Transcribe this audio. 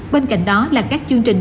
bên cạnh đó là các chương trình